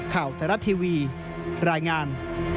ข่าวไทยรัฐทีวีรายงาน